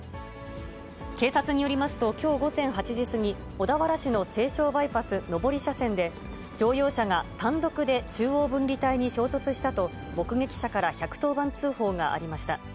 警察によりますと、きょう午前８時過ぎ、小田原市の西湘バイパス上り車線で、乗用車が単独で中央分離帯に衝突したと、目撃者から１１０番通報がありました。